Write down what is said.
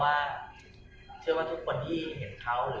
แล้วเขาก็เป็นที่รักของทุกคน